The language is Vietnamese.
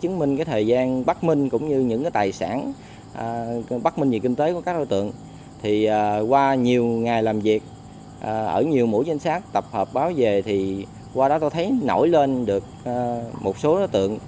trong thời gian bác minh cũng như những cái tài sản bác minh về kinh tế của các đối tượng thì qua nhiều ngày làm việc ở nhiều mũi danh sát tập hợp báo về thì qua đó tôi thấy nổi lên được một số đối tượng